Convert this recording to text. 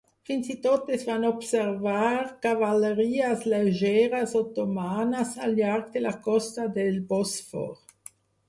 Fins i tot es van observar cavalleries lleugeres otomanes al llarg de la costa del Bòsfor.